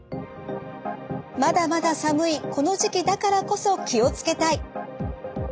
まだまだ寒いこの時期だからこそ気を付けたい。